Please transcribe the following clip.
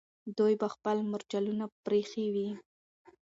دوی به خپل مرچلونه پرېښي وي.